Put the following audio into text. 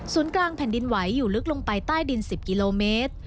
กลางแผ่นดินไหวอยู่ลึกลงไปใต้ดิน๑๐กิโลเมตร